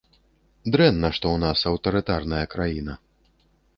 Дрэнна, што ў нас аўтарытарная краіна.